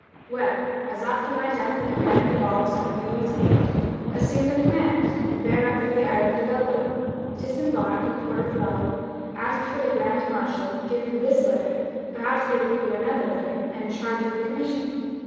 "'Well, as after my death the command devolves on you as mate, assume the command, and bear up for the Island of Elba, disembark at Porto Ferrajo, ask for the grand marshal, give him this letter—perhaps they will give you another letter, and charge you with a commission.